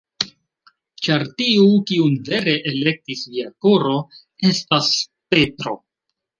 Ĉar tiu, kiun vere elektis via koro, estas Petro.